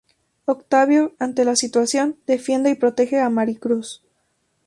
Octavio, ante la situación, defiende y protege a Maricruz.